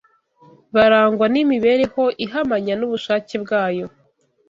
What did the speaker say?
barangwa n’imibereho ihamanya n’ubushake bwayo